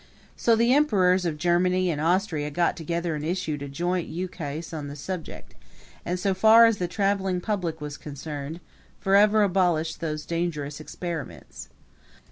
So the emperors of Germany and Austria got together and issued a joint ukase on the subject and, so far as the traveling public was concerned, forever abolished those dangerous experiments.